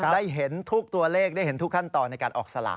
ได้เห็นทุกตัวเลขได้เห็นทุกขั้นตอนในการออกสลาก